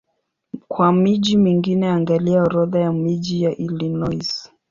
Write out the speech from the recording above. Kwa miji mingine angalia Orodha ya miji ya Illinois.